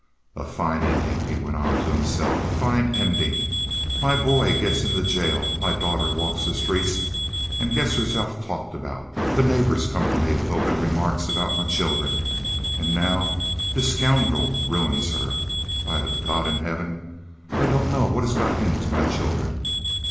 "A fine ending," he went on to himself. "A fine ending. My boy gets into jail; my daughter walks the streets and gets herself talked about; the neighbors come to me with open remarks about my children; and now this scoundrel ruins her. By the God in heaven, I don't know what has got into my children!